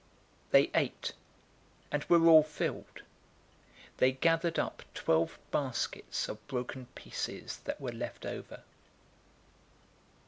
009:017 They ate, and were all filled. They gathered up twelve baskets of broken pieces that were left over.